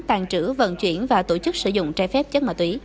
tàn trữ vận chuyển và tổ chức sử dụng trái phép chất ma túy